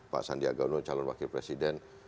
pak sandiaga uno calon wakil presiden